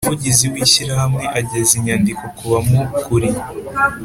Umuvugizi w’ ishyirahamwe ageza inyandiko kubamukuriye